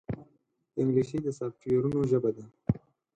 انګلیسي د سافټویرونو ژبه ده